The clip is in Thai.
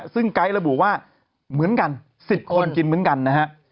ซึ่งไก๊ระบุว่าเหมือนกัน๑๐คนกินเหมือนกันนะฮะ